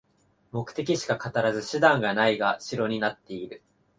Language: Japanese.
目的しか語らず、手段がないがしろになってる